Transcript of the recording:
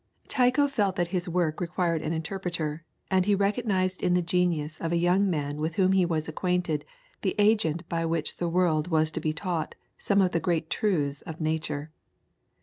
Tycho felt that his work required an interpreter, and he recognised in the genius of a young man with whom he was acquainted the agent by whom the world was to be taught some of the great truths of nature.